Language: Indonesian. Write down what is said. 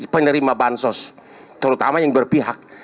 penerima bansos terutama yang berpihak